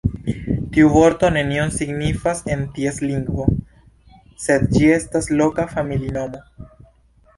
Tiu vorto nenion signifas en ties lingvo, sed ĝi estas loka familinomo.